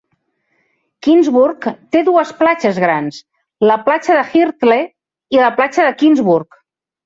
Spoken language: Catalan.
Kingsburg té dues platges grans, la platja de Hirtle i la platja de Kingsburg.